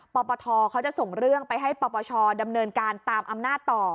ปปทเขาจะส่งเรื่องไปให้ปปชดำเนินการตามอำนาจต่อ